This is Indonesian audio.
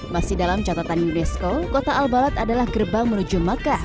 masih dalam catatan unesco kota al balat adalah gerbang menuju makkah